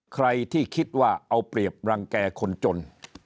ใครที่คิดว่าเอาเปรียบรังแก่คนจน